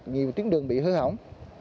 nhiều tiếng đường bị hư hỏng